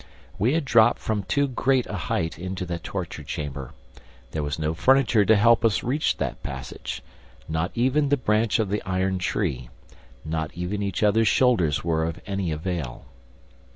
We had dropped from too great a height into the torture chamber; there was no furniture to help us reach that passage; not even the branch of the iron tree, not even each other's shoulders were of any avail.